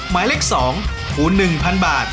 หมายเลข๒คูณ๑๐๐๐บาท